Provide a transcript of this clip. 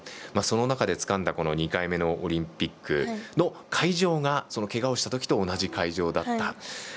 その中でつかんだ２回目のオリンピックの会場が、けがをしたときと同じ会場だった。